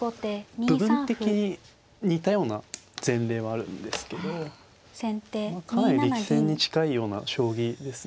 部分的に似たような前例はあるんですけどかなり力戦に近いような将棋ですね。